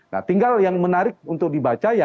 nah tinggal yang menarik untuk dibaca ya